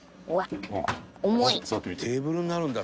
「テーブルになるんだ。